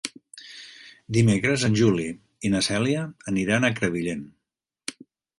Dimecres en Juli i na Cèlia aniran a Crevillent.